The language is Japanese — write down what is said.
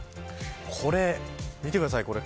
これ、見てください。